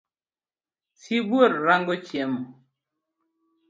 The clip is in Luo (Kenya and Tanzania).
Sibuor rango chiemo.